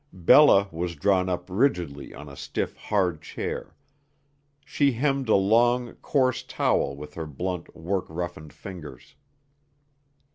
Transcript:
Bella was drawn up rigidly on a stiff, hard chair; she hemmed a long, coarse towel with her blunt, work roughened fingers.